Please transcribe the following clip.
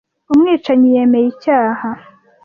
Umwicanyi yemeye icyaha.